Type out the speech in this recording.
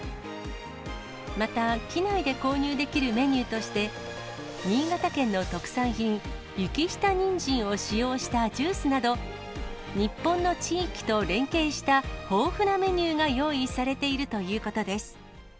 また、機内で購入できるメニューとして、新潟県の特産品、雪下にんじんを使用したジュースなど、日本の地域と連携した、豊富なメニューが用意されているということです。